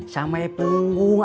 sama ya pengung